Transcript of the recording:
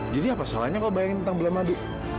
jadi apa salahnya kau bayangin tentang bulan madu